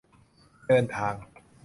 เดินทาง